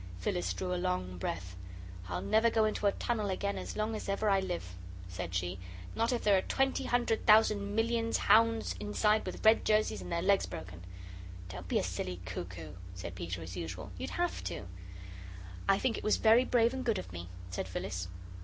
Phyllis drew a long breath. "I'll never go into a tunnel again as long as ever I live," said she, "not if there are twenty hundred thousand millions hounds inside with red jerseys and their legs broken." "Don't be a silly cuckoo," said Peter, as usual. "You'd HAVE to." "I think it was very brave and good of me," said Phyllis.